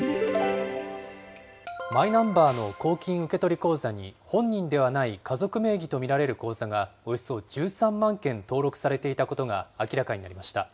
マイナンバーの公金受取口座に本人ではない家族名義と見られる口座がおよそ１３万件登録されていたことが明らかになりました。